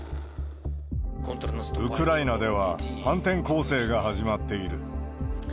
ウクライナでは、反転攻勢が始まっている。